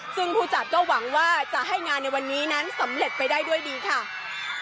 ซึ่งผู้จัดก็หวังว่าจะให้งานในวันนี้นั้นสำเร็จไปได้ด้วยดีค่ะ